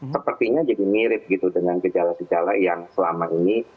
sepertinya jadi mirip gitu dengan gejala gejala yang selama ini